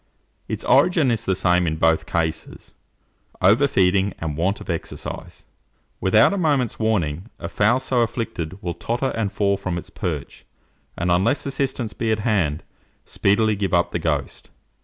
Its origin is the same in both cases, over feeing and want of exercise. Without a moment's warning, a fowl so afflicted will totter and fall from its perch, and unless assistance be at hand, speedily give up the ghost.